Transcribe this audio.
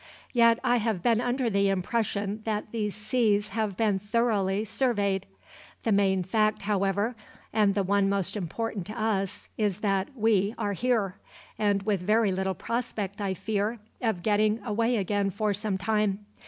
Yet I have been under the impression that these seas have been thoroughly surveyed. The main fact, however, and the one most important to us is that we are here, with very little prospect, I fear, of getting away again for some time.